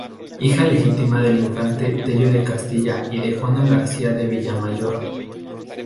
Hija legítima del infante Tello de Castilla y de Juana García de Villamayor.